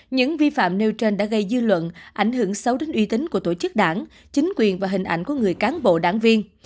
những vi phạm nêu trên đã gây dư luận ảnh hưởng xấu đến uy tín của tổ chức đảng chính quyền và hình ảnh của người cán bộ đảng viên